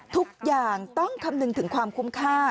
ทุกอย่างต้องคำนึงถึงความคุ้มค่า